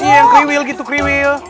iya yang kriwil gitu kriwil